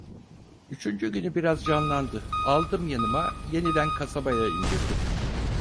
Üçüncü günü biraz canlandı, aldım yanıma, yeniden kasabaya indirdim.